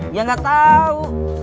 dia gak tau